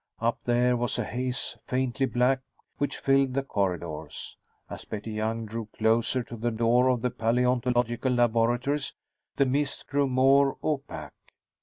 Up there was a haze, faintly black, which filled the corridors. As Betty Young drew closer to the door of the paleontological laboratories, the mist grew more opaque.